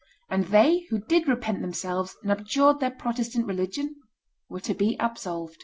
And they who did repent themselves and abjured their Protestant religion were to be absolved."